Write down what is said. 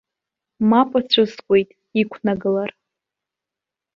Мап ацәыскуеит, иқәнагалар.